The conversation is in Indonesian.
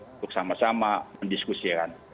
untuk sama sama mendiskusikan